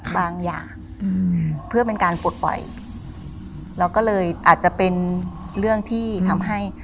บางอย่างอืมเพื่อเป็นการปลดปล่อยเราก็เลยอาจจะเป็นเรื่องที่ทำให้